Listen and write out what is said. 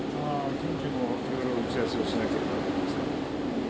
人事もいろいろ打ち合わせをしなければならない。